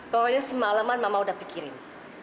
pokoknya semalaman mama udah pikirin